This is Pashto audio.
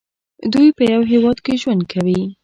دوی په یو هیواد کې ژوند کوي.